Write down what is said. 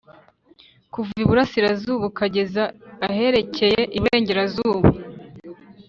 kuva iburasirazuba ukageza aherekeye iburengerazuba